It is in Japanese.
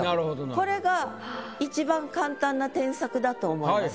これがいちばん簡単な添削だと思います。